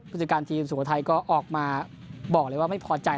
ผู้จัดการทีมสุโขทัยก็ออกมาบอกเลยว่าไม่พอใจ